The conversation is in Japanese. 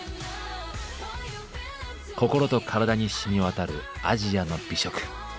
心と体に染み渡るアジアの美食。